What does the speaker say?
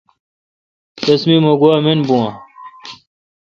رس می مہ گوا من بھو اؘ۔